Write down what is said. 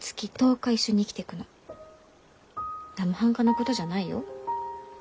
なまはんかなことじゃないよ。